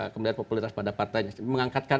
kemudian populitas pada partainya